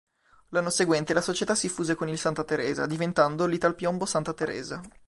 L'anno seguente la società si fuse con il Santa Teresa, diventando l'Italpiombo Santa Teresa.